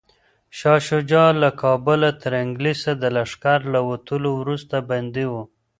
شاه شجاع له کابله د انګلیس د لښکر له وتلو وروسته بندي و.